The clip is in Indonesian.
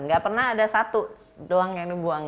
gak pernah ada satu doang yang dibuang